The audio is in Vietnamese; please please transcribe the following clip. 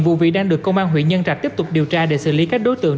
trong thời gian ngắn công an huyện nhân rạch đã tiến hành bắt khẩn cấp năm đối tượng